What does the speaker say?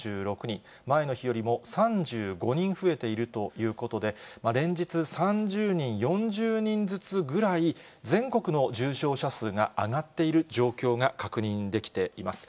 前の日よりも３５人増えているということで、連日３０人、４０人ずつぐらい、全国の重症者数が上がっている状況が確認できています。